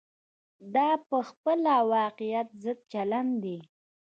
دا په خپله واقعیت ضد چلن دی.